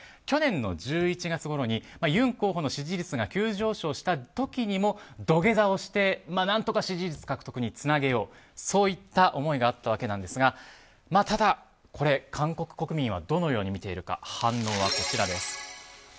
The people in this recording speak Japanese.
去年の１１月ごろにユン候補の支持率が急上昇した時にも土下座をして何とか支持率獲得につなげようといった思いがあったわけなんですがただ、これ韓国国民はどのようにみているか反応はこちらです。